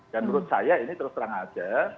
dan menurut saya ini terus terang saja